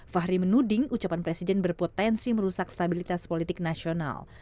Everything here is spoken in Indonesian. fahri menuding ucapan presiden berpotensi merusak stabilitas politik nasional